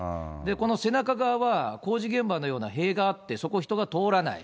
この背中側は工事現場のような塀があって、そこ、人が通らない。